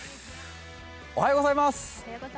おはようございます。